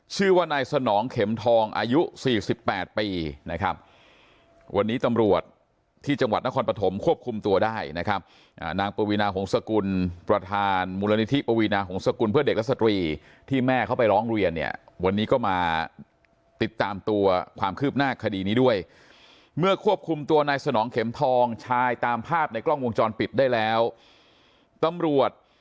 ชื่อว่านายสนองเข็มทองอายุสี่สิบแปดปีนะครับวันนี้ตำรวจที่จังหวัดนครปฐมควบคุมตัวได้นะครับนางปวีนาหงษกุลประธานมูลนิธิปวีนาหงษกุลเพื่อเด็กและสตรีที่แม่เขาไปร้องเรียนเนี่ยวันนี้ก็มาติดตามตัวความคืบหน้าคดีนี้ด้วยเมื่อควบคุมตัวนายสนองเข็มทองชายตามภาพในกล้องวงจรปิดได้แล้วตำรวจ